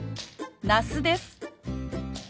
那須です。